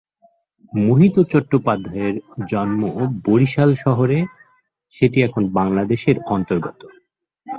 মোহিত চট্টোপাধ্যায়ের জন্ম বরিশাল শহরে, সেটি এখন বাংলাদেশের অন্তর্গত।